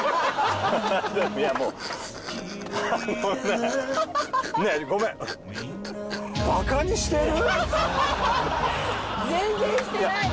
もうあのねごめん全然してないです